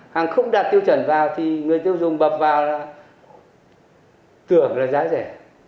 hàng không đạt tiêu chuẩn vào thì người tiêu dùng bập vào là tưởng là giá rẻ